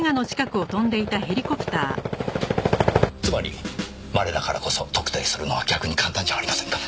つまりまれだからこそ特定するのは逆に簡単じゃありませんか？